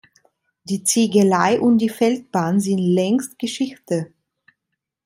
Die Ziegelei und die Feldbahn sind längst Geschichte.